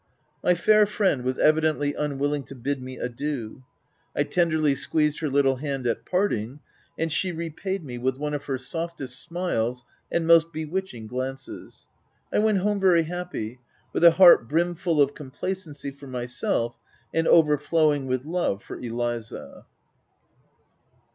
My fair friend was evidently unwilling to bid me adieu. I tenderly squeezed her little hand at parting ; and she repaid me with one of her softest smiles and most bewitching glances. I went home very happy, with a heart brimful of complacency for myself, and overflowing with love for Eliza.